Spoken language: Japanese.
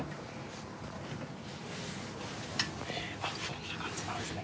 こんな感じなんですね。